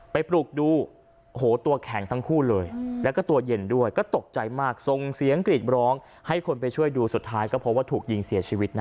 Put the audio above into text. ปลุกดูโหตัวแข็งทั้งคู่เลยแล้วก็ตัวเย็นด้วยก็ตกใจมากส่งเสียงกรีดร้องให้คนไปช่วยดูสุดท้ายก็พบว่าถูกยิงเสียชีวิตนะ